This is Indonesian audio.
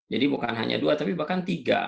jadi bukan hanya dua tapi bahkan tiga